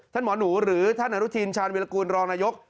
หมอหนูหรือท่านอนุทินชาญวิรากูลรองนายก